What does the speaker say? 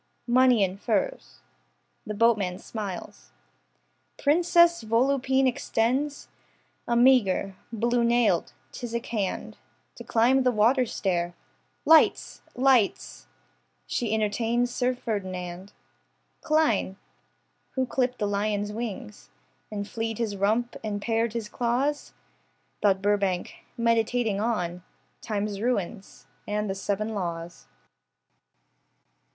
Money in furs. The boatman smiles, Princess Volupine extends A meagre, blue nailed, phthisic hand To climb the waterstair. Lights, lights, She entertains Sir Ferdinand Klein. Who clipped the lion's wings And flea'd his rump and pared his claws? Thought Burbank, meditating on Time's ruins, and the seven laws.